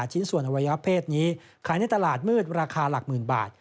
ชิ้นส่วนอวัยวะเพศนี้ขายในตลาดมืดราคาหลักหมื่นบาท